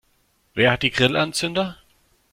Wer hat die Grillanzünder?